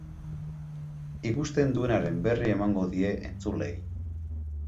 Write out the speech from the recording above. Ikusten duenaren berri emango die entzuleei.